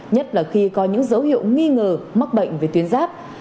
nhất là khi có những dấu hiệu nghi ngờ mắc bệnh về tuyến giáp